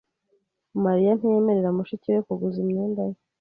Mariya ntiyemerera mushiki we kuguza imyenda ye.